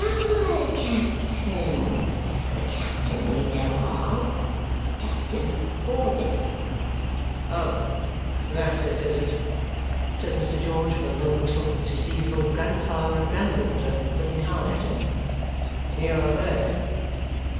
"Our captain. The captain we know of. Captain Hawdon." "Oh! That's it, is it?" says Mr. George with a low whistle as he sees both grandfather and granddaughter looking hard at him. "You are there!